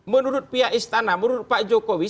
menurut pihak istana menurut pak jokowi